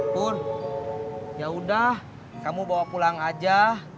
pun yaudah kamu bawa pulang aja